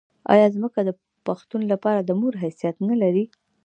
آیا ځمکه د پښتون لپاره د مور حیثیت نلري؟